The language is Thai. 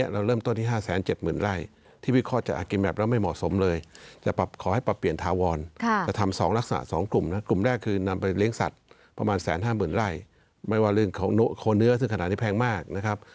หรือว่าเรียกของโคนเนื้อซึ่งขนาดนี้แพงมากครับ